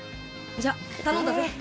じゃあ頼んだぜ。